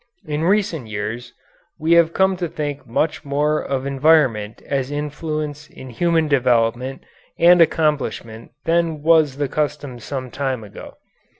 In recent years we have come to think much more of environment as an influence in human development and accomplishment than was the custom sometime ago.